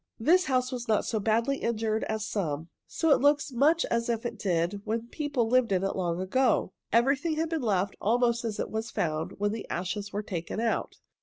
This house was not so badly injured as some, so it looks much as it did when people lived in it long ago. Everything has been left almost as it was found when the ashes were taken out.